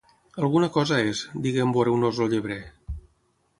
Alguna cosa és, digué en veure un os el llebrer.